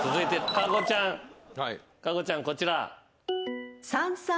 加護ちゃんこちら。